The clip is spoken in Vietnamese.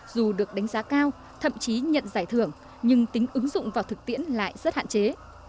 dù được đánh giá cao thậm chí nhận giải thưởng nhưng tính ứng dụng vào thực tiễn lại rất hạn chế